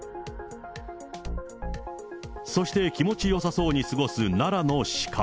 そして気持ちよさそうに過ごす奈良の鹿。